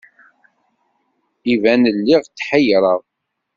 Iban, lliɣ tḥeyyreɣ.